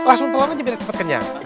langsung telan aja biar cepat kenyang